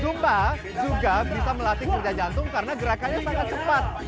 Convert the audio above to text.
zumba juga bisa melatih kerja jantung karena gerakannya sangat cepat